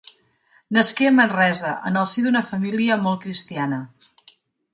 Nasqué a Manresa en el si d'una família molt cristiana.